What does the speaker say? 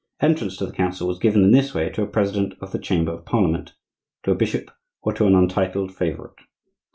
Entrance to the council was given in this way to a president of the Chamber of Parliament, to a bishop, or to an untitled favorite.